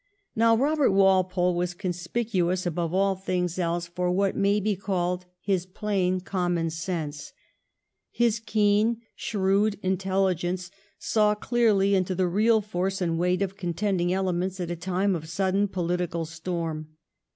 Now, Eobert Walpole was 222 THE REIGN OF QUEEN ANNE. ch. xxxi. conspicuous above all things else for what may be called his plain common sense. His keen, shrewd intelligence saw clearly into the real force and weight of contending elements at a time of sudden political storm.